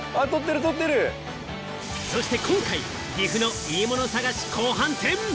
そして今回、岐阜のいいもの探し、後半戦。